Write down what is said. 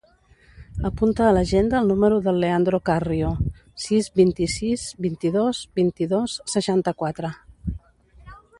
Apunta a l'agenda el número del Leandro Carrio: sis, vint-i-sis, vint-i-dos, vint-i-dos, seixanta-quatre.